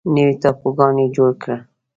نوي ټاپوګانو یې جوړ کړل.